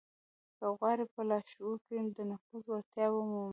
که غواړئ په لاشعور کې د نفوذ وړتيا ومومئ.